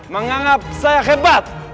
menganggap saya hebat